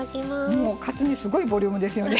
もうカツ煮すごいボリュームですよね。